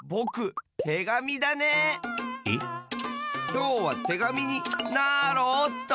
きょうはてがみになろおっと！